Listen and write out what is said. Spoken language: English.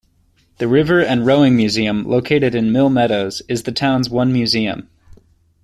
The River and Rowing Museum, located in Mill Meadows, is the town's one museum.